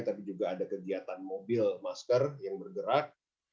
tapi juga ada kegiatan mobil masker yang bergerak